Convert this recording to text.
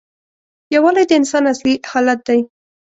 یووالی د انسان اصلي حالت دی.